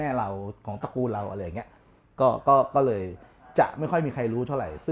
แต่ว่าทางผู้บรรยายมันเป็นเหมือนความภูมิใจ